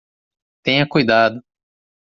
Tenha cuidado